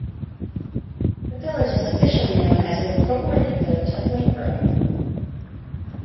The village is officially known as the Incorporated Village of Lake Grove.